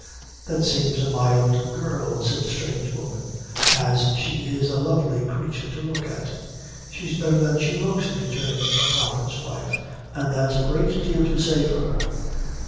"That seems a mild girl," said the strange woman, "as she is a lovely creature to look at." "She's better than she looks," returned the prophet's wife, "an' that's a great deal to say for her."